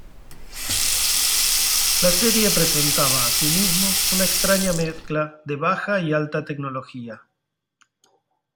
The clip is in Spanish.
La serie presentaba asimismo una extraña mezcla de baja y alta tecnología.